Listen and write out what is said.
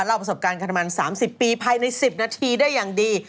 ประสบการณ์ขนาดมัน๓๐ปีภายใน๑๐นาทีได้อย่างดี